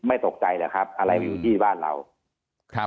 ไม่ตกใจนะครับอะไรอยู่ที่บ้านเรา